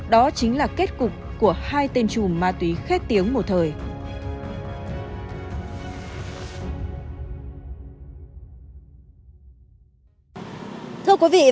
đó chính là kết cục của hai tên chùm ma túy khét tiếng một thời